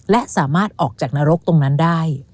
และสามารถออกจากนรกตรงนั้นได้